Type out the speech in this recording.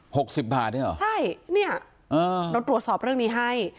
สิบบาทเนี่ยเหรอใช่เนี่ยเออเราตรวจสอบเรื่องนี้ให้